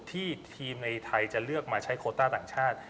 ทีมในไทยจะเลือกมาใช้โคต้าต่างชาติ